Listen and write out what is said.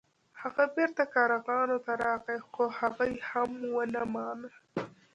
هغه بیرته کارغانو ته راغی خو هغوی هم ونه مانه.